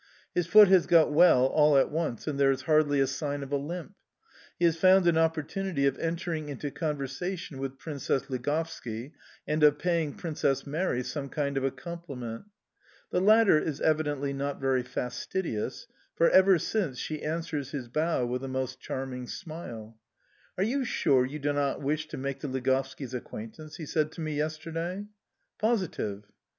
His foot has got well all at once, and there is hardly a sign of a limp. He has found an opportunity of entering into conversation with Princess Ligovski and of paying Princess Mary some kind of a compliment. The latter is evidently not very fastidious, for, ever since, she answers his bow with a most charming smile. "Are you sure you do not wish to make the Ligovskis' acquaintance?" he said to me yesterday. "Positive."